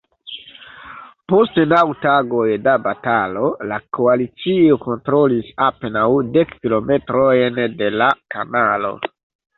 Post naŭ tagoj da batalo, la koalicio kontrolis apenaŭ dek kilometrojn de la kanalo.